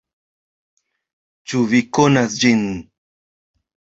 Ĉu vi konas ĝin?